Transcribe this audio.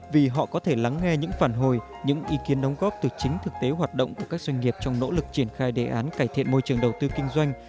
vì họ có thể lắng nghe những phản hồi những ý kiến đóng góp từ chính thực tế hoạt động của các doanh nghiệp trong nỗ lực triển khai đề án cải thiện môi trường đầu tư kinh doanh